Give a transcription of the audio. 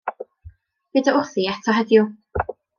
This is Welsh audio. Bydd o wrthi eto heddiw.